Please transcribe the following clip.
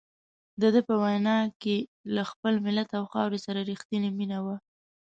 دده په وینا کې له خپل ملت او خاورې سره رښتیني مینه وه.